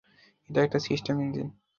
এটা একটা steam engine.